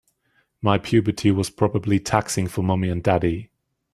My puberty was probably taxing for mommy and daddy.